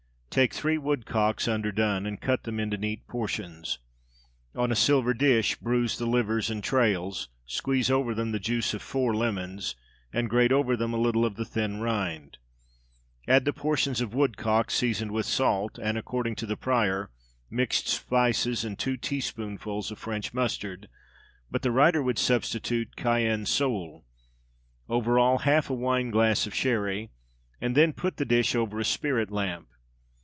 Take three woodcocks, underdone, and cut them into neat portions. On a silver dish bruise the livers and trails, squeeze over them the juice of four (?) lemons, and grate over them a little of the thin rind. Add the portions of woodcock, seasoned with salt, and according to the prior mixed spices and two teaspoonfuls of French mustard; but the writer would substitute cayenne seul; over all half a wine glass of sherry; and then put the dish over a spirit lamp.